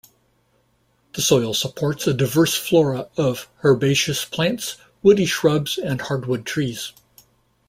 The soil supports a diverse flora of herbaceous plants, woody shrubs and hardwood trees.